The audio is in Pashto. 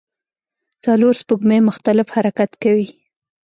څلور سپوږمۍ مختلف حرکت کوي.